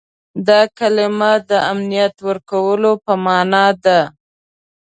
دا کلمه د امنیت ورکولو په معنا ده.